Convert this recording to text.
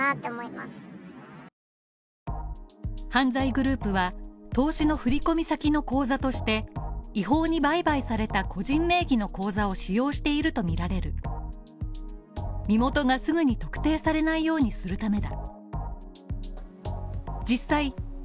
犯罪グループは投資の振込先の口座として違法に売買された個人名義の口座を使用しているとみられる身元がすぐに特定されないようにするためだ。